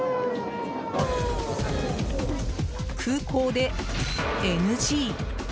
空港で、ＮＧ。